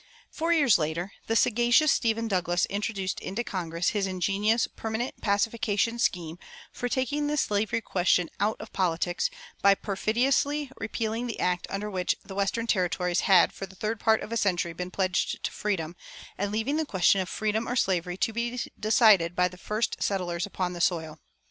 Four years later the sagacious Stephen Douglas introduced into Congress his ingenious permanent pacification scheme for taking the slavery question "out of politics" by perfidiously repealing the act under which the western Territories had for the third part of a century been pledged to freedom, and leaving the question of freedom or slavery to be decided by the first settlers upon the soil.